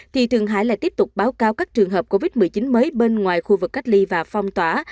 thì trường hải lại tiếp tục báo cáo các trường hợp covid một mươi chín mới bên ngoài khu vực cách ly và phong tỏa